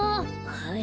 はい。